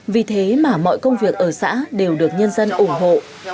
vì thế mà mọi công việc ở xã đều được nhân dân ủng hộ